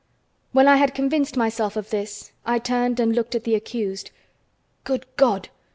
When I had convinced myself of this, I turned and looked at the accused. Good God!